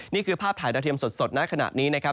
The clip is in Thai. นี่คือภาพถ่ายดาวเทียมสดนะขณะนี้นะครับ